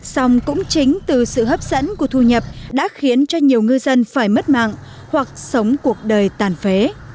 xong cũng chính từ sự hấp dẫn của thu nhập đã khiến cho nhiều ngư dân phải mất mạng hoặc sống cuộc đời tàn phế